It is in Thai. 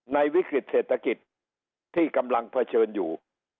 วิกฤติเศรษฐกิจที่กำลังเผชิญอยู่